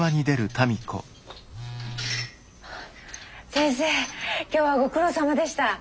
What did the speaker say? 先生今日はご苦労さまでした。